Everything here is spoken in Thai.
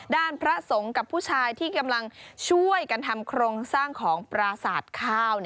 พระสงฆ์กับผู้ชายที่กำลังช่วยกันทำโครงสร้างของปราสาทข้าว